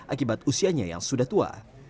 akibat usianya yang sudah tua